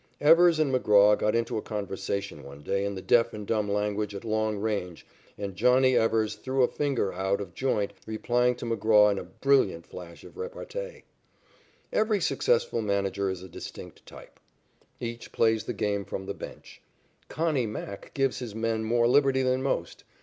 Evers and McGraw got into a conversation one day in the deaf and dumb language at long range and "Johnny" Evers threw a finger out of joint replying to McGraw in a brilliant flash of repartee. Every successful manager is a distinct type. Each plays the game from the bench. "Connie" Mack gives his men more liberty than most.